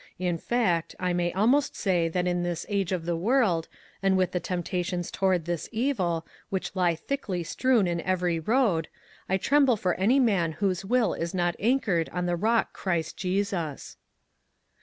It fact, I may almost say that in this age of the world, and with the tempta tions toward this evil, which lie thickly strewn in every road, I tremble for any man whose will is not anchored on the rock Christ Jesus."